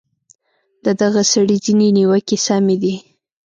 د دغه سړي ځینې نیوکې سمې دي.